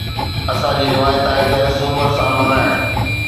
اسان جي روايت آهي ته سومر سان ملهائڻ.